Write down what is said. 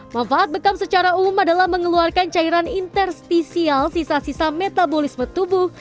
manfaat bekam secara umum adalah mengeluarkan cairan interstisial sisa sisa metabolisme tubuh